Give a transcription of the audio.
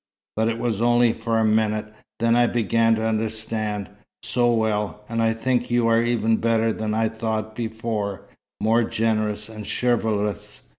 But it was only for a minute. Then I began to understand so well! And I think you are even better than I thought before more generous, and chivalrous.